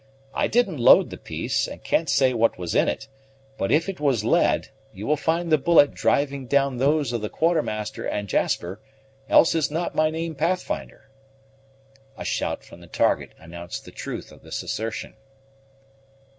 I didn't load the piece, and can't say what was in it; but if it was lead, you will find the bullet driving down those of the Quartermaster and Jasper, else is not my name Pathfinder." A shout from the target announced the truth of this assertion.